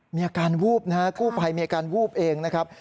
มีอาการวูบนะฮะกู้ภัยมีอาการวูบเองนะครับ